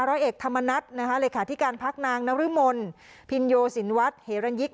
ร้อยเอกธรรมนัสนะคะเลยค่ะที่การพักนางนรมนต์พินโยศินวัตน์เฮรนยิกษ์